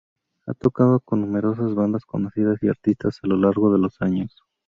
Ha tocado con numerosas bandas conocidas y artistas a lo largo de los años.